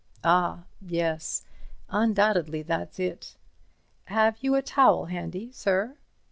Ah—yes, undoubtedly that's it. Have you a towel handy, sir?